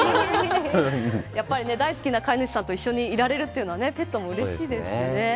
やっぱり大好きな飼い主さんと一緒にいられるというのはペットもうれしいですしね。